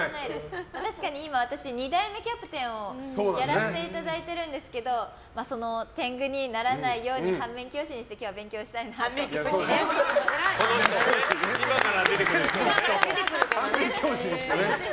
確かに今私、２代目キャプテンをやらせていただいてるんですけど天狗にならないように反面教師にして今日は今から出てくる人をね。